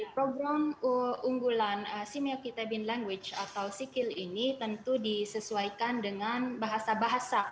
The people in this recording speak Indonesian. program unggulan simeokitabin language atau sikil ini tentu disesuaikan dengan bahasa bahasa